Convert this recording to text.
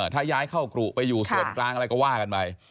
ถ้าย้ายเข้ากรุไปอยู่ส่วนกลางอะไรก็ว่ากันไป